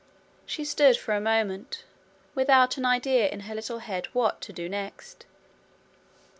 She stood for a moment, without an idea in her little head what to do next.